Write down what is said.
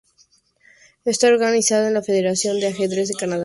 Está organizado por la Federación de Ajedrez de Canadá.